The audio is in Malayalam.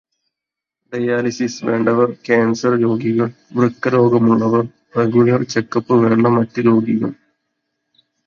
ഡയാലിസിസ് വേണ്ടവർ, കാൻസർ രോഗികൾ, വൃക്കരോഗമുള്ളവർ, റെഗുലർ ചെക്കപ്പ് വേണ്ട മറ്റ് രോഗികൾ.